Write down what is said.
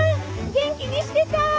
元気にしてた？